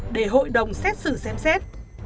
để hội đồng xét xử xem xét